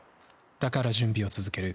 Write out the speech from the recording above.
だから準備を続ける。